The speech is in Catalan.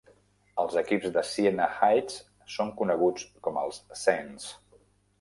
Els equips de Siena Heights són coneguts com els Saints.